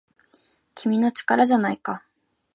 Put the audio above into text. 「君の！力じゃないか!!」